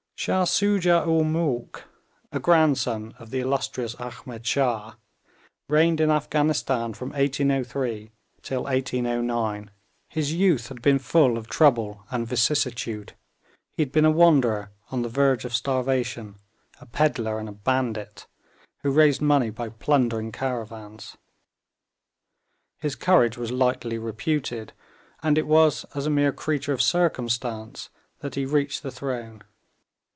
Shah Soojah ool Moolk, a grandson of the illustrious Ahmed Shah, reigned in Afghanistan from 1803 till 1809. His youth had been full of trouble and vicissitude. He had been a wanderer, on the verge of starvation, a pedlar and a bandit, who raised money by plundering caravans. His courage was lightly reputed, and it was as a mere creature of circumstance that he reached the throne.